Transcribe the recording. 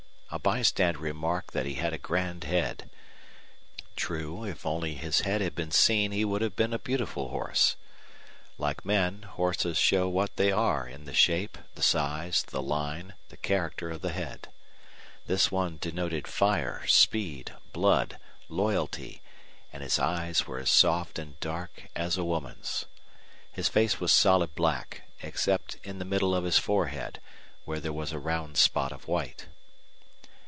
A bystander remarked that he had a grand head. True, if only his head had been seen he would have been a beautiful horse. Like men, horses show what they are in the shape, the size, the line, the character of the head. This one denoted fire, speed, blood, loyalty, and his eyes were as soft and dark as a woman's. His face was solid black, except in the middle of his forehead, where there was a round spot of white.